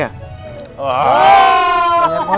nanti bapak diomongin sama mama